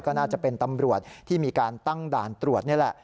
ก็น่าจะเป็นตำรวจที่มีการตั้งด่านตรวจนี่แหละ